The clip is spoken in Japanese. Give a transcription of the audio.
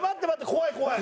怖い怖い！